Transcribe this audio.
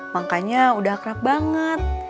makanya udah akrab banget